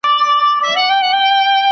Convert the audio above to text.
په مذهبي چارو کي بشپړه آزادي شتون لري.